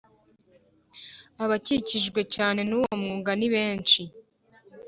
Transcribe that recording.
abakijijwe cyane n'uwo mwuga, ni benshi